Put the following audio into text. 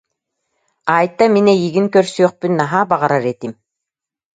Айта, мин эйигин көрсүөхпүн наһаа баҕарар этим